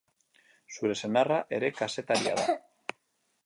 Zure senarra ere kazetaria da.